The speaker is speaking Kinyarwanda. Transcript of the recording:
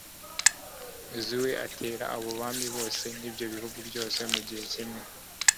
yozuwe atera abo bami bose n'ibyo bihugu byose mu gihe kimwe